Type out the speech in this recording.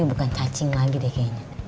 bukan cacing lagi deh kayaknya